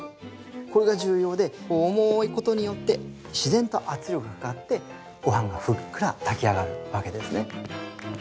これが重要で重いことによって自然と圧力がかかってごはんがふっくら炊き上がるわけですね。